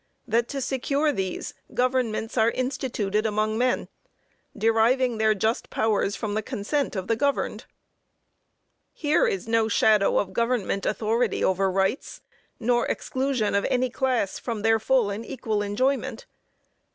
That to secure these, governments are instituted among men, deriving their just powers from the consent of the governed." Here is no shadow of government authority over rights, nor exclusion of any class from their full and equal enjoyment.